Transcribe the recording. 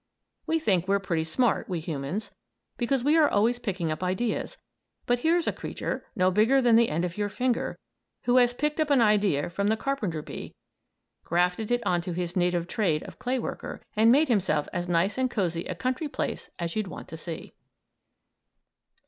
We think we're pretty smart, we humans, because we are always picking up ideas, but here's a creature, no bigger than the end of your finger, who has picked up an idea from the carpenter bee, grafted it on his native trade of clay worker, and made himself as nice and cosey a country place as you'd want to see!